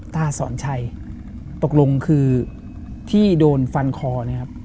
ตาสอนชัยตกลงคือที่โดนฟันคอเนี่ยครับ